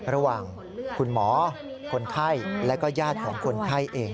ระหว่างคุณหมอคนไข้และก็ญาติของคนไข้เอง